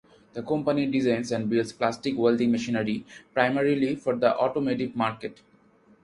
The company designs and builds plastic welding machinery, primarily for the automotive market.